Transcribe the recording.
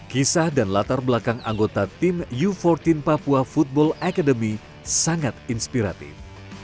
kisah dan latar belakang anggota tim u empat belas papua football academy sangat inspiratif